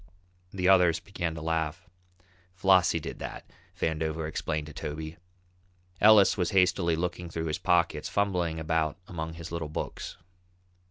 The others began to laugh. "Flossie did that," Vandover explained to Toby. Ellis was hastily looking through his pockets, fumbling about among his little books.